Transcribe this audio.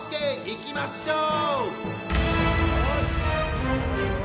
いきましょう！